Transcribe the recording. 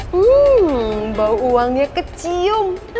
hmm bau uangnya kecium